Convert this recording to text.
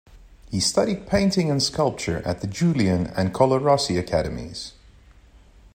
He studied painting and sculpture at the Julian and Colarossi Academies.